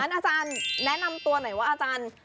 อาจารย์แนะนำตัวหน่อยว่าอาจารย์